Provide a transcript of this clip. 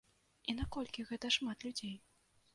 І наколькі гэта шмат людзей?